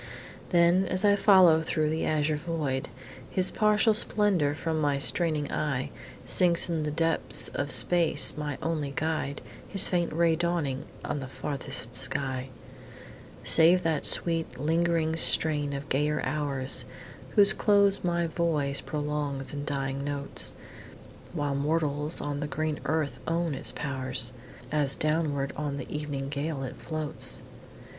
Then, as I follow through the azure void, His partial splendour from my straining eye Sinks in the depth of space; my only guide His faint ray dawning on the farthest sky; Save that sweet, lingering strain of gayer Hours, Whose close my voice prolongs in dying notes, While mortals on the green earth own its pow'rs, As downward on the evening gale it floats.